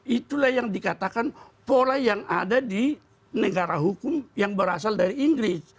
itulah yang dikatakan pola yang ada di negara hukum yang berasal dari inggris